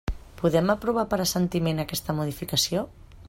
Podem aprovar per assentiment aquesta modificació?